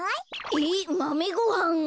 えっマメごはん？